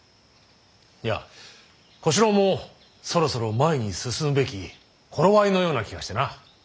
いや小四郎もそろそろ前に進むべき頃合いのような気がしてな。